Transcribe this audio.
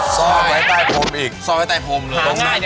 ซ่อนไว้ใต้ผมอีก